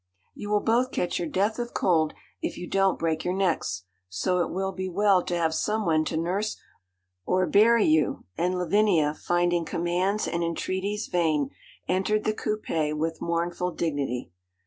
'You will both catch your death of cold, if you don't break your necks, so it will be well to have some one to nurse or bury you,' and Lavinia, finding commands and entreaties vain, entered the coupé with mournful dignity.